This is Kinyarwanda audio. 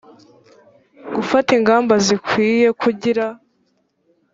gufata ingamba zikwiye kugira